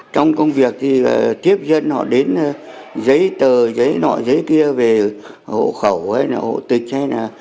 trong công việc thì tiếp dân họ đến giấy tờ giấy nội giấy kia về hộ khẩu hộ tịch